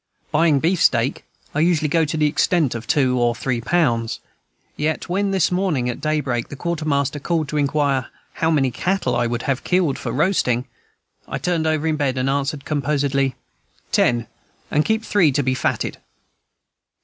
Buying beefsteak, I usually go to the extent of two or three pounds. Yet when, this morning at daybreak, the quartermaster called to inquire how many cattle I would have killed for roasting, I turned over in bed, and answered composedly, "Ten, and keep three to be fatted."